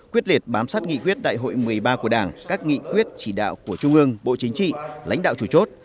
quyết liệt bám sát nghị quyết đại hội một mươi ba của đảng các nghị quyết chỉ đạo của trung ương bộ chính trị lãnh đạo chủ chốt